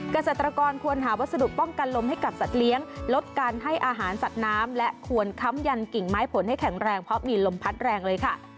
เกษตรกรควรหาวัสดุป้องกันลมให้กับสัตว์เลี้ยงลดการให้อาหารสัตว์น้ำและควรค้ำยันกิ่งไม้ผลให้แข็งแรงเพราะมีลมพัดแรงเลยค่ะ